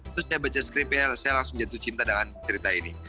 terus saya baca scripper saya langsung jatuh cinta dengan cerita ini